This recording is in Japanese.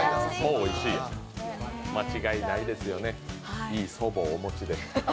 間違いないですよね、いい祖母をお持ちで。